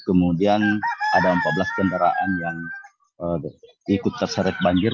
kemudian ada empat belas kendaraan yang ikut terseret banjir